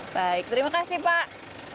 baik terima kasih pak